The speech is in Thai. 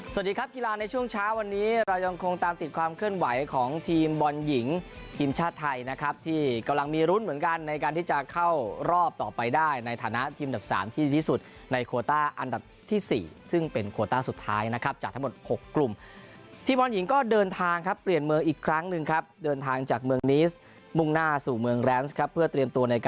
สวัสดีครับกีฬาในช่วงเช้าวันนี้เรายังคงตามติดความเคลื่อนไหวของทีมบอลหญิงทีมชาติไทยนะครับที่กำลังมีรุ่นเหมือนกันในการที่จะเข้ารอบต่อไปได้ในฐานะทีมดับสามที่ดีที่สุดในโควตาอันดับที่สี่ซึ่งเป็นโควตาสุดท้ายนะครับจากทั้งหมดหกกลุ่มทีมบอลหญิงก็เดินทางครับเปลี่ยนเมืองอีก